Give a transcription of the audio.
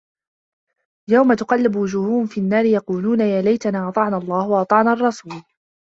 يَومَ تُقَلَّبُ وُجوهُهُم فِي النّارِ يَقولونَ يا لَيتَنا أَطَعنَا اللَّهَ وَأَطَعنَا الرَّسولا